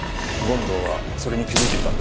権藤はそれに気づいていたんだ。